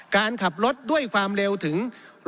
การขับรถด้วยความเร็วถึง